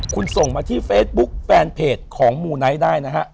คุณส่งมาที่เฟซบุ๊คแฟนเพจของมูไนท์ได้นะฮะ